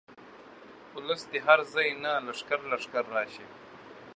اولس دې هر ځاي نه لښکر لښکر راشي.